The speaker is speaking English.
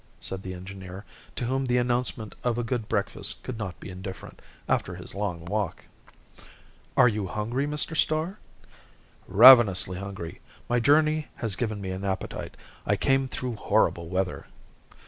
said the engineer, to whom the announcement of a good breakfast could not be indifferent, after his long walk. "Are you hungry, Mr. Starr?" "Ravenously hungry. My journey has given me an appetite. I came through horrible weather."